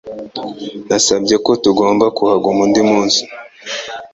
Nasabye ko tugomba kuhaguma undi munsi.